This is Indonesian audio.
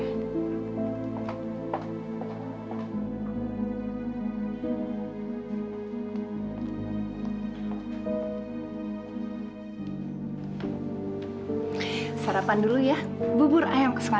lihat nanti saya akan pergi test ini